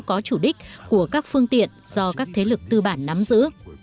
có chủ đích của các phương tiện do các thế lực tư bản nắm giữ